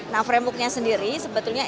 nah framework nya sendiri sebetulnya